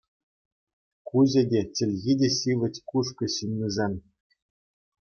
Куҫӗ те, чӗлхи те ҫивӗч Кушкӑ ҫыннисен.